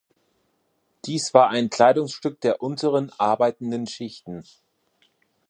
Dies war ein Kleidungsstück der unteren, arbeitenden Schichten.